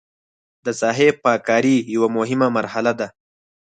د ساحې پاک کاري یوه مهمه مرحله ده